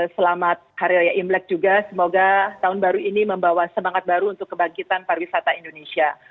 selamat hari raya imlek juga semoga tahun baru ini membawa semangat baru untuk kebangkitan pariwisata indonesia